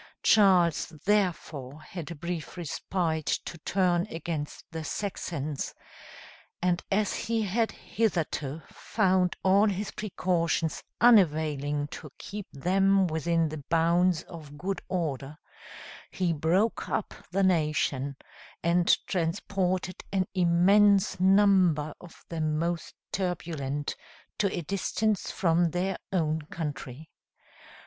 Charles therefore had a brief respite to turn against the Saxons; and as he had hitherto found all his precautions unavailing to keep them within the bounds of good order, he broke up the nation, and transported an immense number of the most turbulent to a distance from their own country.